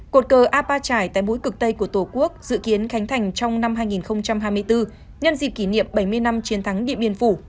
cột cờ apa trải tại mũi cực tây của tổ quốc dự kiến khánh thành trong năm hai nghìn hai mươi bốn nhân dịp kỷ niệm bảy mươi năm chiến thắng điện biên phủ